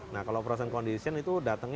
nah kalau prosent condition itu datangnya